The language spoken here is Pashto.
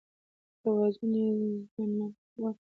توازن یې زیانمن کاوه.